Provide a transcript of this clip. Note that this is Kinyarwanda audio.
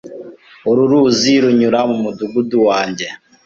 Uru ruzi runyura mu mudugudu wanjye.